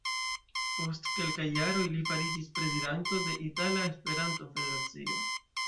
Post kelkaj jaroj, li fariĝis prezidanto de Itala Esperanto-Federacio.